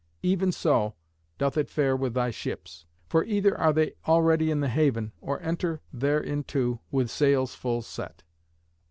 Even so doth it fare with thy ships, for either are they already in the haven or enter thereinto with sails full set."